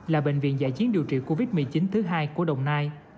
là bệnh viện giải chiến điều trị covid một mươi chín thứ hai của đồng nai